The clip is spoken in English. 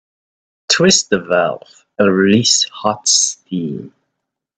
Twist the valve and release hot steam.